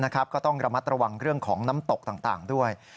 ก็ต้องระมัดระวังเรื่องของน้ำตกต่างด้วย